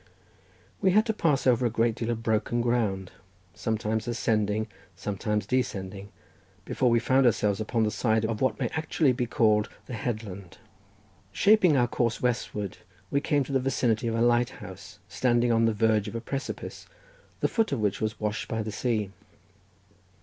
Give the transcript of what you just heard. We had to pass over a great deal of broken ground, sometimes ascending, sometimes descending, before we found ourselves upon the side of what may actually be called the headland. Shaping our course westward we came to the vicinity of a lighthouse standing on the verge of a precipice, the foot of which was washed by the sea.